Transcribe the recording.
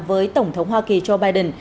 với tổng thống hoa kỳ joe biden